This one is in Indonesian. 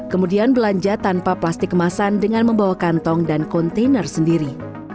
kemudian belanja tanpa plastik kemasan dengan membawa kantong dan kontainer sendiri